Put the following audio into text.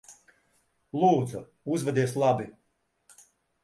Lūdzu, uzvedies labi.